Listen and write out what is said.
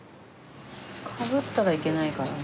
被ったらいけないからな。